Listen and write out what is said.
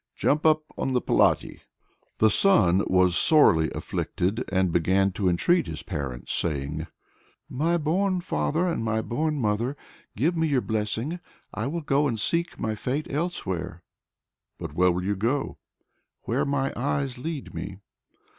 Jump up on to the polati." The son was sorely afflicted, and began to entreat his parents, saying: "My born father and my born mother! give me your blessing. I will go and seek my fate myself." "But where will you go?" "Where my eyes lead me."